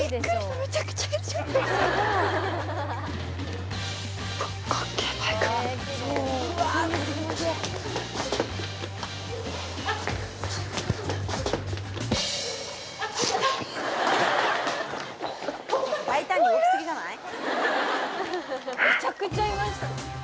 めちゃくちゃいました